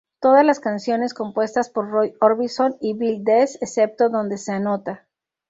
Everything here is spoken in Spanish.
Todas las canciones compuestas por Roy Orbison y Bill Dees excepto donde se anota.